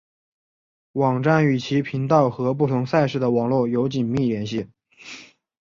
网站与其频道和不同赛事的网络有紧密联系。